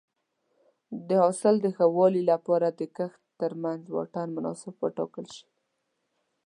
د حاصل د ښه والي لپاره د کښت ترمنځ واټن مناسب وټاکل شي.